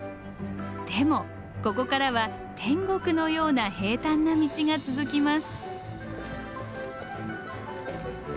でもここからは天国のような平たんな道が続きます。